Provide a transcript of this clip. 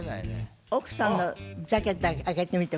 奥さんのジャケット開けてみて。